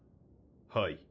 ・はい。